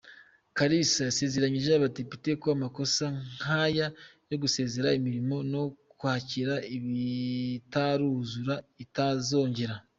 Kalisa, yasezeranyije Abadepite ko amakosa nk’aya yo gukerereza imirimo no kwakira ibitaruzura itazongera.